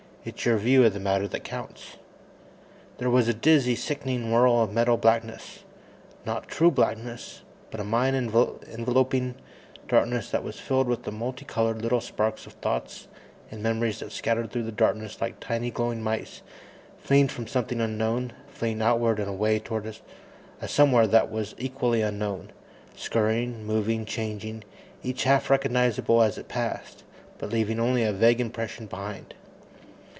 It's your view of the matter that counts!_ There was a dizzy, sickening whirl of mental blackness not true blackness, but a mind enveloping darkness that was filled with the multi colored little sparks of thoughts and memories that scattered through the darkness like tiny glowing mice, fleeing from something unknown, fleeing outwards and away toward a somewhere that was equally unknown; scurrying, moving, changing each half recognizable as it passed, but leaving only a vague impression behind.